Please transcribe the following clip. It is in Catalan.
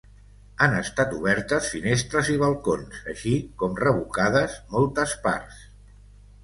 Han estat obertes finestres i balcons, així com revocades moltes parts.